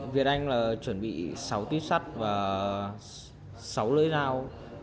việt anh chuẩn bị sáu tuyết xuất và sáu lưỡi dao